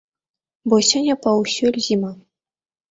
Бо сёння паўсюль зіма.